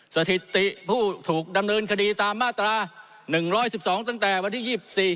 สถิติผู้ถูกดำเนินคดีตามมาตราหนึ่งร้อยสิบสองตั้งแต่วันที่ยี่สิบสี่